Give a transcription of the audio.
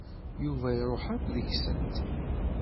Yuba iṛuḥ akk deg-sent.